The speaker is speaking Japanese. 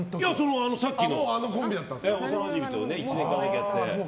さっきの幼なじみと１年間だけやって。